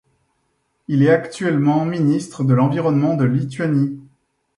Il est actuellement ministre de l'Environnement de Lituanie.